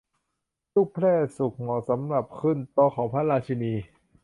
ลูกแพร์สุกเหมาะสำหรับขึ้นโต๊ะของพระราชินี